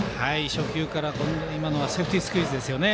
初球から今のはセーフティースクイズですね。